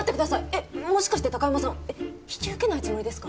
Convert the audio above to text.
えっもしかして貴山さんえっ引き受けないつもりですか？